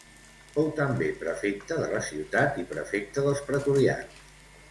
Fou també prefecte de la ciutat i prefecte dels pretorians.